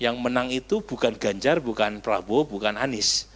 yang menang itu bukan ganjar bukan prabowo bukan anies